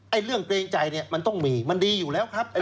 เรื่องเกรงใจเนี่ยมันต้องมีมันดีอยู่แล้วครับ